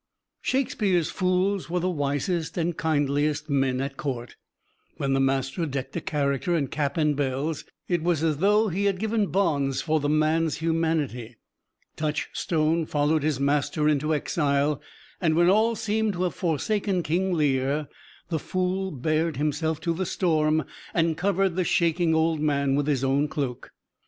Shakespeare's fools were the wisest and kindliest men at court. When the master decked a character in cap and bells, it was as though he had given bonds for the man's humanity. Touchstone followed his master into exile; and when all seemed to have forsaken King Lear the fool bared himself to the storm and covered the shaking old man with his own cloak.